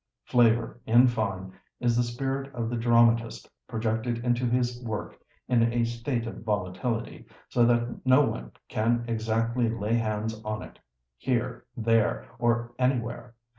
Flavour, in fine, is the spirit of the dramatist projected into his work in a state of volatility, so that no one can exactly lay hands on it, here, there, or anywhere.